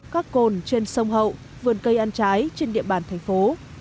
các cồn trên sông hậu vườn cây ăn trái trên địa bàn thành phố